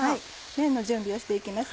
麺の準備をして行きます。